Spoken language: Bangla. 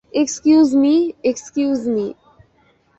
Excuse me, excuse me.